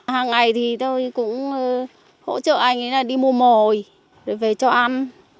hàng ngày thì tôi cũng hỗ trợ anh ấy đi mua mồi về cho ăn